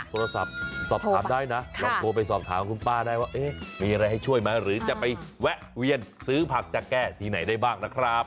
โทรศัพท์สอบถามได้นะลองโทรไปสอบถามคุณป้าได้ว่ามีอะไรให้ช่วยไหมหรือจะไปแวะเวียนซื้อผักจะแก้ที่ไหนได้บ้างนะครับ